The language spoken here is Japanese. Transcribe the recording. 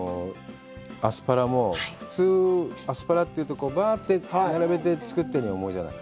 アスパラも、普通、アスパラというと、ばあって並べて作ってるように思うじゃない。